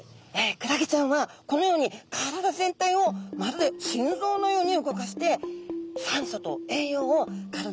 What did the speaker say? クラゲちゃんはこのように体全体をまるで心臓のように動かして酸素と栄養を体に巡らせてるそうなんですよ。